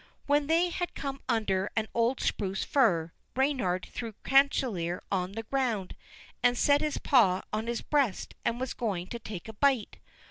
When they had come under an old spruce fir, Reynard threw Chanticleer on the ground, and set his paw on his breast, and was going to take a bite.